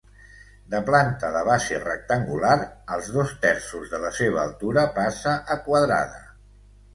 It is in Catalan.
De planta de base rectangular, als dos terços de la seva altura passa a quadrada.